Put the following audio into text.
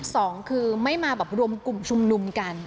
สองคือไม่มาแบบรวมกลุ่มชุมนุมกัน